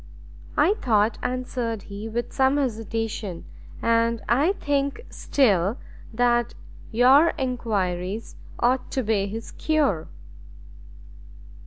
"I thought," answered he, with some hesitation, "and I think still, that your enquiries ought to be his cure."